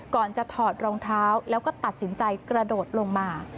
ก่อนจะถอดรองเท้าแล้วก็ตัดสินใจกระโดดลงมา